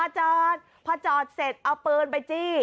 จอดพอจอดเสร็จเอาปืนไปจี้